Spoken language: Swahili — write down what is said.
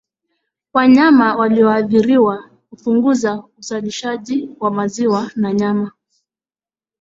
Wanyama walioathiriwa hupunguza uzalishaji wa maziwa na nyama